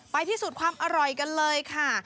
ไปที่สูตรความอร่อยกันเลยค่ะ